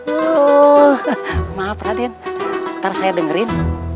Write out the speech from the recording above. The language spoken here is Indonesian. oh maaf raden ntar saya dengerin